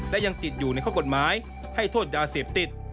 และยังติดอยู่ในข้อกฎหมายให้โทษยาเสพติด